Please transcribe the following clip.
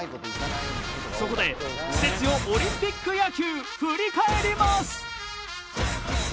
そこでクセ強オリンピック野球振り返ります。